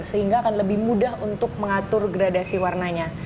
sehingga akan lebih mudah untuk mengatur gradasi warnanya